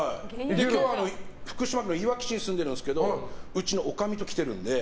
福島県のいわき市に住んでるんですがうちのおかみと来てるので。